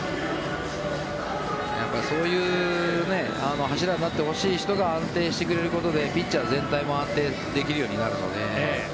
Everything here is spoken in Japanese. やっぱり、そういう柱になってほしい人が安定してくれることでピッチャー全体も安定できるようになるのでね。